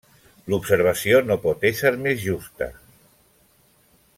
L'observació no pot ésser més justa!